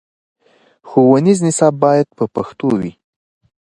ښوونیز نصاب باید په پښتو وي.